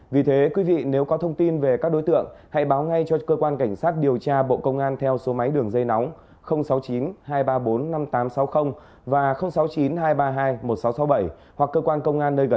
vì thế quý vị nếu có thông tin về các đối tượng hãy báo ngay cho cơ quan cảnh sát điều tra bộ công an theo số máy đường dây nóng sáu mươi chín hai trăm ba mươi bốn năm nghìn tám trăm sáu mươi